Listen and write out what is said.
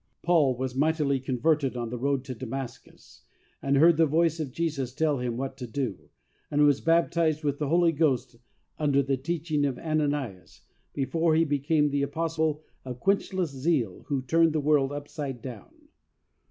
Paul was mightily converted on the road to Damascus, and heard the voice of Jesus tell him what to do, and was baptized with the Holy Ghost under the teaching of Ana nias, before he became the apostle of quench less zeal who turned the world upside down.